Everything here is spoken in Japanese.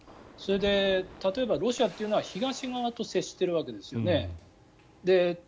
それで例えば、ロシアというのは東側と接しているわけですよね。